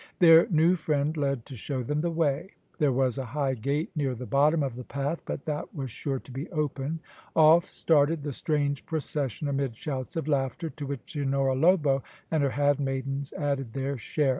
Their new friend led to show them the way. There was a high gate near the bottom of the path, but that was sure to be open. Off started the strange procession amid shouts of laughter, to which Senhora Lobo and her hand maidens added their share.